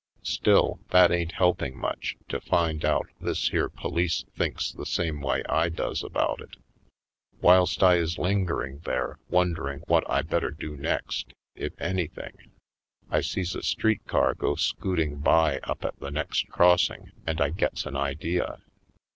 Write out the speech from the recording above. Still, that ain't helping much, to find out this here police thinks the same way I does about it. Whilst I is lingering there won dering what I better do next, if anything, I sees a street car go scooting by up at the next crossing, and I gets an idea.